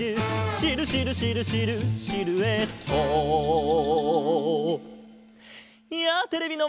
「シルシルシルシルシルエット」やあテレビのまえのみんな！